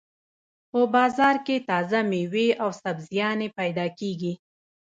په بازار کې تازه مېوې او سبزيانې پیدا کېږي.